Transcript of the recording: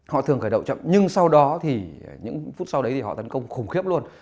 họ thường khởi đầu chậm nhưng sau đó thì những phút sau đấy thì họ tấn công khủng khiếp luôn